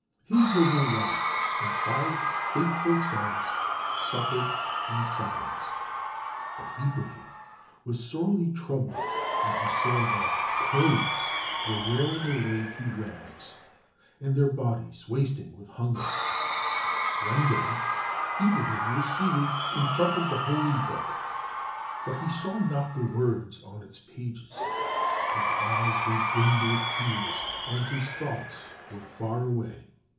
His noble wife and five faithful sons suffered in silence, but Ibrahim was sorely troubled when he saw their clothes wearing away to rags and their bodies wasting with hunger. One day Ibrahim was seated in front of the Holy Book, but he saw not the words on its pages. His eyes were dimmed with tears and his thoughts were far away.